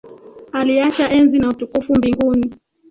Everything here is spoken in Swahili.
Aliacha enzi na utukufu mbinguni.